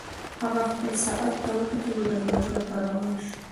هغه خپل ساعت ته وکتل او د لمانځه لپاره روان شو.